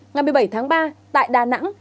ngày một mươi bảy tháng ba tại đà nẵng